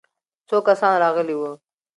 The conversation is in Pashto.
څو کسان راغلي وو؟